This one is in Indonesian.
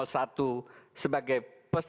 sebagai peserbangan petahana